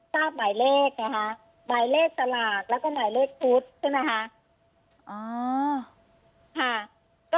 ทราบหมายเลขไงคะหมายเลขสลากแล้วก็หมายเลขชุดใช่ไหมคะ